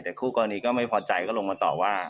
แต่คู่กรณีก็ไม่พอใจก็ลงมาต่อว่า